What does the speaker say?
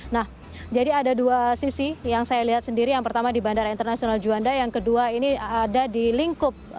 nah jadi ada dua sisi yang saya lihat sendiri yang pertama di bandara internasional juanda yang kedua ini ada di lingkup